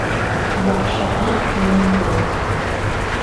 Яҡшы һүҙ һөйөндөрөр